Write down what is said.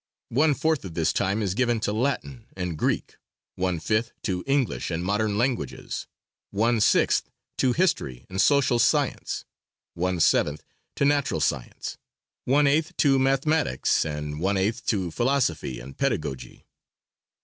One fourth of this time is given to Latin and Greek; one fifth, to English and modern languages; one sixth, to history and social science; one seventh, to natural science; one eighth to mathematics, and one eighth to philosophy and pedagogy.